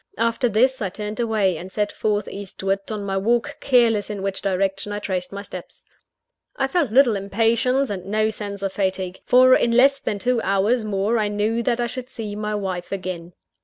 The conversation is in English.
After this, I turned away; and set forth eastward on my walk, careless in which direction I traced my steps. I felt little impatience, and no sense of fatigue; for in less than two hours more I knew that I should see my wife again.